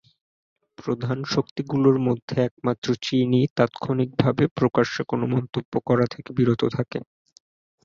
প্রধান শক্তিগুলোর মধ্যে একমাত্র চীনই তাৎক্ষণিকভাবে প্রকাশ্যে কোনো মন্তব্য করা থেকে বিরত থাকে।